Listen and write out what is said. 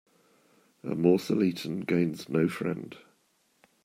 A morsel eaten gains no friend.